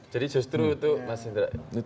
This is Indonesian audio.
jadi justru tuh mas fadli